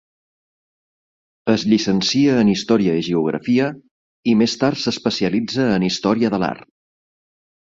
Es llicencia en Història i Geografia, i més tard s'especialitza en Història de l'art.